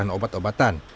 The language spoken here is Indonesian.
banyak kesalahan obat obatan